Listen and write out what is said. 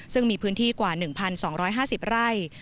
ซึ่งมีพื้นที่กว่า๑๒๕๐ไร่